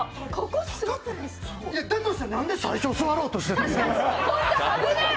だとしたら、なんで最初座ろうとしたん？